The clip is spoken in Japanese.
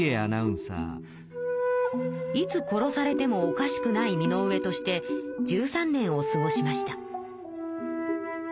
いつ殺されてもおかしくない身の上として１３年を過ごしました。